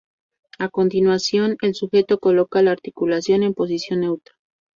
A continuación, el sujeto coloca la articulación en posición neutra.